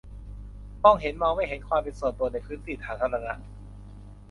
มองเห็น-มองไม่เห็น : ความเป็นส่วนตัวในพื้นที่สาธารณะ